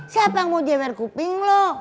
siapa yang mau jeber kuping lu